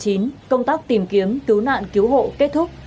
cứu nạn cứu hộ kết thúc